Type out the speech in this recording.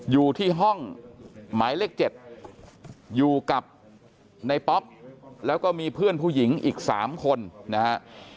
อยู่ที่ห้องหมายเลข๗อยู่กับในป๊อปแล้วก็มีเพื่อนผู้หญิงอีก๓คนนะฮะ